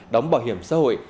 đóng bảo hiểm xã hội